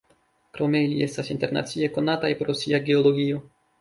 Krome ili estas internacie konataj pro sia geologio.